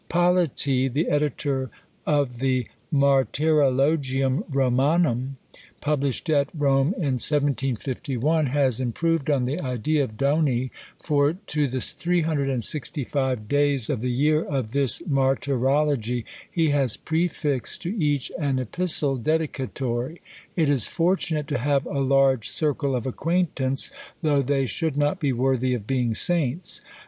Politi, the editor of the Martyrologium Romanum, published at Rome in 1751, has improved on the idea of Doni; for to the 365 days of the year of this Martyrology he has prefixed to each an epistle dedicatory. It is fortunate to have a large circle of acquaintance, though they should not be worthy of being saints.